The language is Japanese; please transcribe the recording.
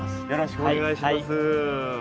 よろしくお願いします。